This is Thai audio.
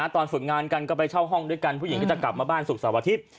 ตอนฝึกงานกันก็ไปเช่าห้องด้วยกันผู้หญิงก็จะกลับมาบ้านศุกร์เสาร์อาทิตย์